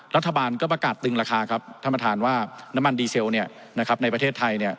รัฐบาลก็ประกาศตึงราคาครับท่านประธานว่าน้ำมันดีเซลในประเทศไทย